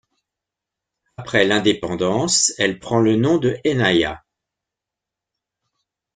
Après l'indépendance, elle prend le nom de Hennaya.